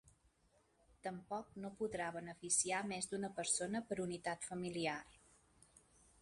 Tampoc no podrà beneficiar més d’una persona per unitat familiar.